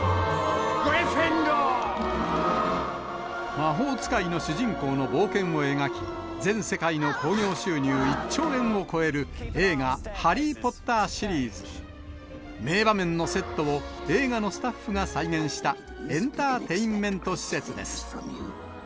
魔法使いの主人公の冒険を描き、全世界の興行収入１兆円を超える映画、ハリー・ポッターシリーズ。名場面のセットを映画のスタッフが再現したエンターテインメント施設です。